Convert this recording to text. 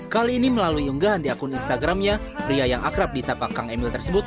kali ini melalui unggahan di akun instagramnya pria yang akrab di sapa kang emil tersebut